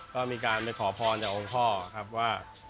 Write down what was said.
ก็มีการไปขอพรจากองค์พ่อครับว่า